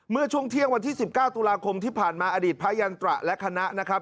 เมื่อช่วงเที่ยงวันที่๑๙ตุลาคมที่ผ่านมาอดีตพระยันตระและคณะนะครับ